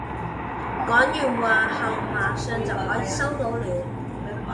講完話後馬上就可以收到了